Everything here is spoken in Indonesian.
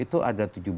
itu ada tujuh belas